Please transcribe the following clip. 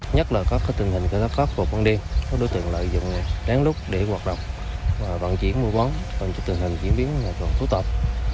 nhất là các tình hình khai thác phát phục vấn đêm các đối tượng lợi dụng đáng lúc để hoạt động và vận chuyển vụ vấn tình hình diễn biến hoạt động phú tập